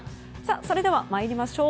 それでは参りましょう。